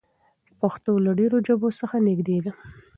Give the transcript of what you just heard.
پښتو له ډېرو ژبو څخه نږدې ده.